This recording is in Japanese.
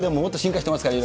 今でももっと進化してますからね。